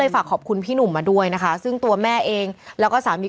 ฝากขอบคุณพี่หนุ่มมาด้วย